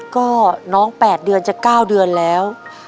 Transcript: ก็น้อง๘เดือนจะ๙เดือนแล้ว